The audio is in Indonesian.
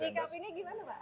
pak jokowi ini ke bapak